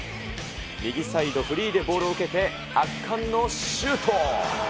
右サイドフリーでボールを受けて、圧巻のシュート。